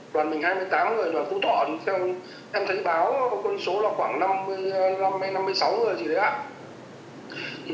đoàn mình hai mươi tám người đoàn phú thọ thì theo em thấy báo có con số là khoảng năm mươi năm mươi sáu người gì đấy ạ